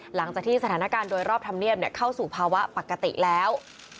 หลังจากที่สถานการณ์โดยรอบธรรมเนียบเข้าสู่ภาวะปกติแล้ว